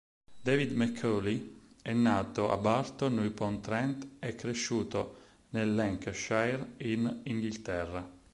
David Macaulay è nato a Burton upon Trent e cresciuto nel Lancashire in Inghilterra.